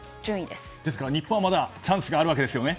ですから日本はまだチャンスがあるわけですよね？